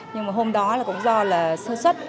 nhưng mà hôm đó là cũng do là sơ xuất